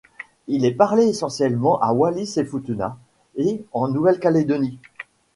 Il est parlé essentiellement à Wallis-et-Futuna et en Nouvelle-Calédonie.